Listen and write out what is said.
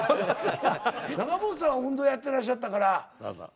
仲本さんは運動やってらっしゃったから。